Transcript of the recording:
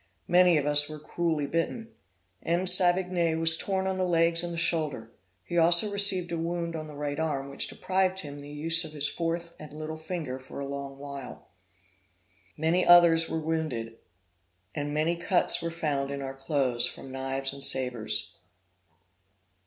Many of us were cruelly bitten. M. Savigny was torn on the legs and the shoulder; he also received a wound on the right arm which deprived him of the use of his fourth and little finger for a long while. Many others were wounded; and many cuts were found in our clothes from knives and sabres.